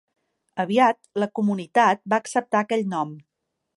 Aviat, la comunitat va acceptar aquell nom.